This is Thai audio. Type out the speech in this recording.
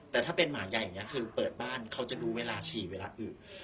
แต่ถ้าเป็นหมาใหญ่อย่างนี้คือเปิดบ้านเขาจะดูเวลาฉี่เวลาอื่น